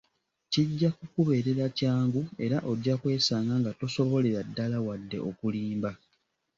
Kijja kukubeerera kyangu era ojja kwesanga nga tosobolera ddala wadde okulimba.